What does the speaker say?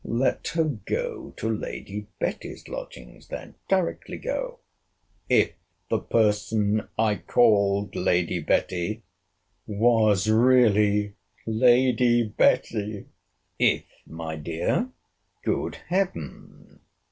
Let her go to Lady Betty's lodgings then; directly go; if the person I called Lady Betty was really Lady Betty. If, my dear! Good Heaven!